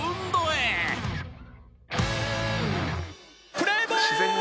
プレイボール！